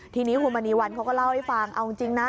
ทีนี้คุณมณีวันเขาก็เล่าให้ฟังเอาจริงนะ